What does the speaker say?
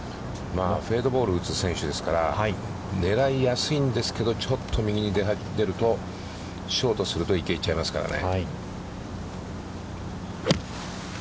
フェードボールを打つ選手ですから、狙いやすいんですけど、ちょっと右に入っているとショートすると、池へ行っちゃいますからね。